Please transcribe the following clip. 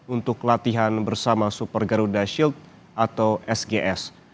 untuk latihan bersama super garuda shield atau sgs